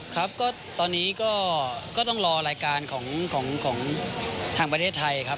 ครับก็ตอนนี้ก็ต้องรอรายการของทางประเทศไทยครับ